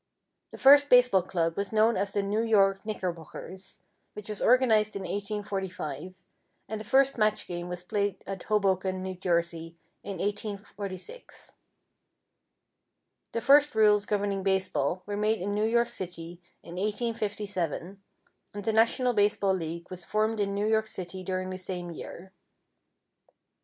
The first baseball club was known as the New York Knickerbockers, which was organized in 1845, and the first match game was played at Hoboken, N. J., in 1846. The first rules governing baseball were made in New York City, in 1857, and the National Baseball League was formed in New York City during the same year.